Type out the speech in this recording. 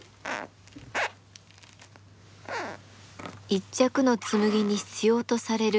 一着の紬に必要とされる